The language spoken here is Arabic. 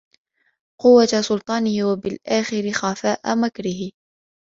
قُوَّةَ سُلْطَانِهِ وَبِالْآخَرِ خَفَاءَ مَكْرِهِ